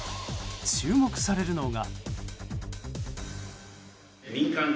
注目されるのが。